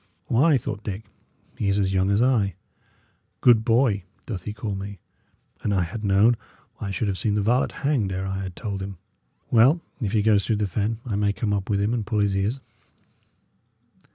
"Why," thought Dick, "he is a young as I. 'Good boy' doth he call me? An I had known, I should have seen the varlet hanged ere I had told him. Well, if he goes through the fen, I may come up with him and pull his ears."